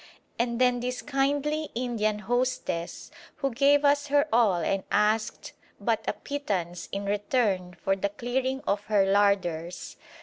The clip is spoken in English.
And then this kindly Indian hostess who gave us her all and asked but a pittance in return for the clearing of her larders.